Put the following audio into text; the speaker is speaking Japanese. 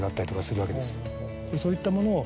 そういったものを。